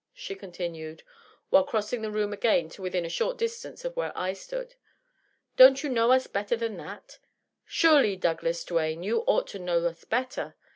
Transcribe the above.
she continued, while crossing the room again to within a short distance of where I stood. " Don't you know us better than that ? Surely, Douglas Duane, you ought to know us better.